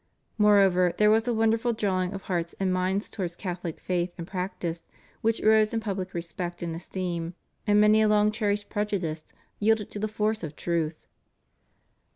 Moreover, there was a wonderful drawing of hearts and minds towards Catholic faith and practice, which rose in public respect and esteem, and many a long cherished prejudice yielded to the force of truth.